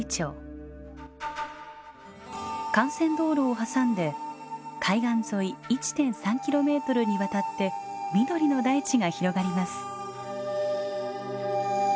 幹線道路を挟んで海岸沿い１．３キロメートルにわたって緑の大地が広がります。